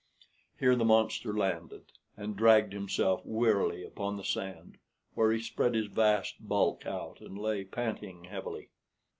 Here the monster landed, and dragged himself wearily upon the sand, where he spread his vast bulk out, and lay panting heavily.